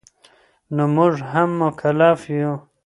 نو مونږ هم مکلف یو